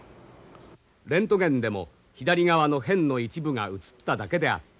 レントゲンでも左側の偏の一部が写っただけであった。